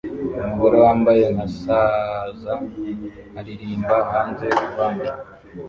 Umugore wambaye nka saza aririmbira hanze kubandi